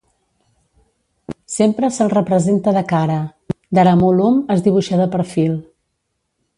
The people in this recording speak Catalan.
Sempre se'l representa de cara; Daramulum es dibuixa de perfil.